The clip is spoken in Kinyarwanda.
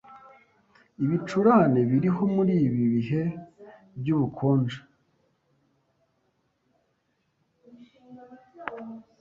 ibicurane biriho muri ibi bihe by’ubukonje,